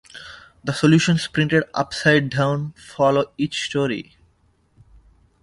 The solutions, printed upside down, follow each story.